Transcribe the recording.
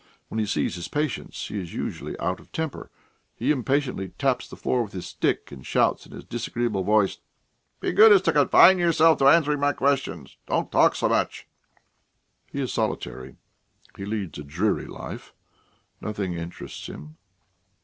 When he sees his patients he is usually out of temper; he impatiently taps the floor with his stick, and shouts in his disagreeable voice: "Be so good as to confine yourself to answering my questions! Don't talk so much!" He is solitary. He leads a dreary life; nothing interests him.